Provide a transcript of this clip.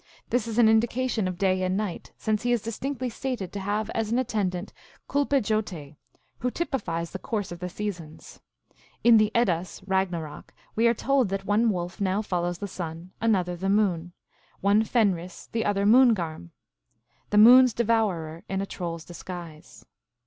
This is an indication of day and night, since he is distinctly stated to have as an attendant Kulpejotei, who typifies the course of the seasons. In the Eddas (Ragnarok) we are told that one wolf now follows the sun, another the moon ; one Fenris, the other Moongarm :" The moon s devourer In a troll s disguise."